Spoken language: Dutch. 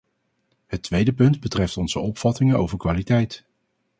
Het tweede punt betreft onze opvattingen over kwaliteit.